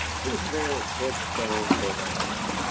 He was a very headstrong boy.